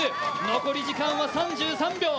残り時間は３３秒。